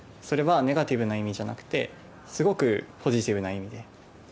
それはネガティブな意味じゃなくてすごくポジティブな意味で。